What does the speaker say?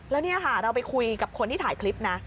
แล้วนี่ค่ะเราไปคุยกับคนที่ถ่ายคลิปนะ